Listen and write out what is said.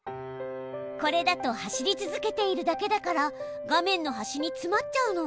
これだと走り続けているだけだから画面の端につまっちゃうの。